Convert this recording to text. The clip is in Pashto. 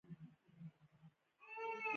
کلتور د افغانستان د موسم د بدلون سبب کېږي.